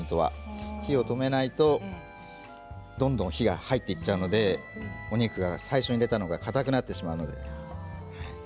火を止めないとどんどん火が入ってしまうのでお肉が最初に入れたのがかたくなってしまうんです。